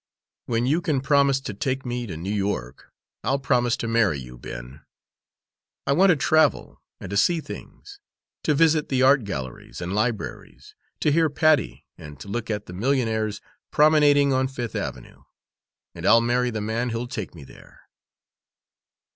When you can promise to take me to New York, I'll promise to marry you, Ben. I want to travel, and to see things, to visit the art galleries and libraries, to hear Patti, and to look at the millionaires promenading on Fifth Avenue and I'll marry the man who'll take me there!"